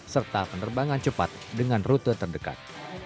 serta penerbangan cepat dengan rute terdekat